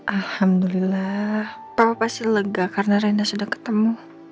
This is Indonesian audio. alhamdulillah papa pasti lega karena rena sudah ketemu